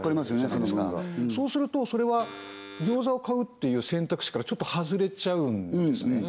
その分がそうするとそれは餃子を買うっていう選択肢からちょっと外れちゃうんですね